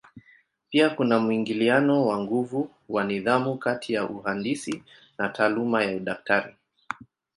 Pia kuna mwingiliano wa nguvu wa nidhamu kati ya uhandisi na taaluma ya udaktari.